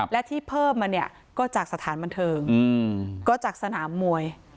และที่เพิ่มมาเนี่ยก็จากสถานบันเทิงก็จากสนามมวย